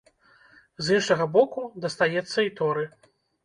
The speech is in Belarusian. З іншага боку, дастаецца і торы.